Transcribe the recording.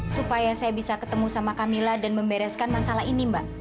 supaya saya bisa ketemu sama kamila dan membereskan masalah ini mbak